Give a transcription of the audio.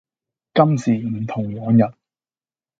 今時唔同往日